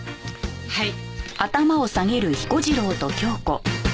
はい。